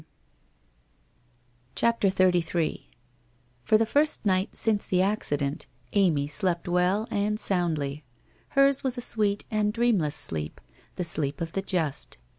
IK CHAPTER XXXIII For the first night since the accident, Amy slept well and soundly. Hers was a sweet and dreamless sleep, the sleep of the just.